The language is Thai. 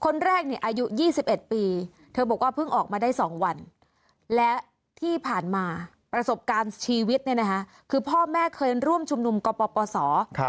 ชีวิตเนี่ยนะคะคือพ่อแม่เคยร่วมชุมนุมกปปศครับ